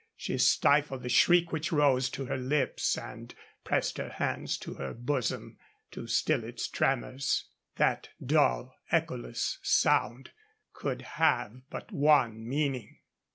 She stifled the shriek which rose to her lips and pressed her hands to her bosom to still its tremors. That dull, echoless sound could have but one meaning.